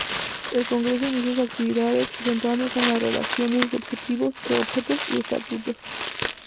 El Congreso inició sus actividades, centrándose en la redacción de sus objetivos y estatutos.